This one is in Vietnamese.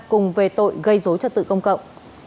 cùng về tội gây dối trợ tự công cộng